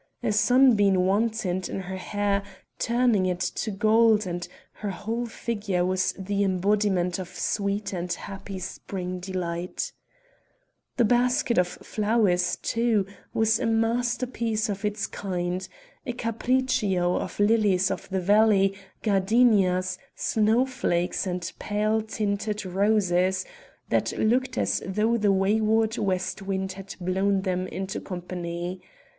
A sunbeam wantoned in her hair turning it to gold and her whole figure was the embodiment of sweet and happy spring delight The basket of flowers, too, was a masterpiece of its kind a capriccio of lilies of the valley, gardenias, snow flakes, and pale tinted roses, that looked as though the wayward west wind had blown them into company.